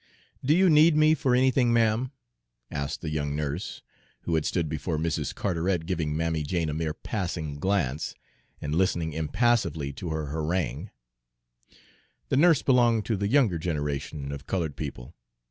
"Do you need me for anything, ma'am?" asked the young nurse, who had stood before Mrs. Carteret, giving Mammy Jane a mere passing glance, and listening impassively to her harangue. The nurse belonged to the younger generation of colored people.